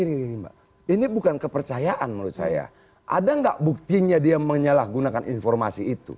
ini bukan kepercayaan menurut saya ada nggak buktinya dia menyalahgunakan informasi itu